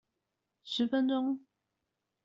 十分鐘